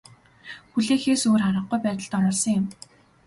Хүлээхээс өөр аргагүй байдалд оруулсан юм.